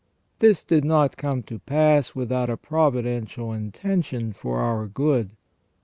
This did not come to pass without a providential intention for our good.